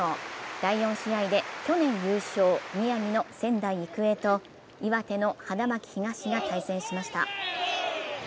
第４試合で去年優勝、宮城の仙台育英と岩手の花巻東が対戦しました。